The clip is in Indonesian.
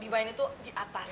divine itu di atas